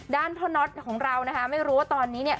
ด้านพ่อน็อตของเรานะคะไม่รู้ว่าตอนนี้เนี่ย